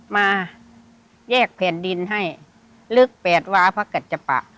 มาแยกแผ่นดินให้ลึก๘วาพระกัจจปะ